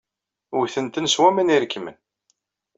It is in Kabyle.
Wwten-ten s waman irekmen.